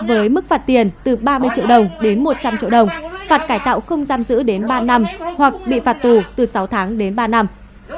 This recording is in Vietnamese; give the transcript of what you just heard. với mức phạt tiền từ ba mươi triệu đồng đến một trăm linh triệu đồng phạt cải tạo không giam giữ đến ba năm hoặc bị phạt tù từ sáu tháng đến ba năm